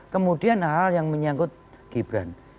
kemudian hal hal yang menyangkut gibran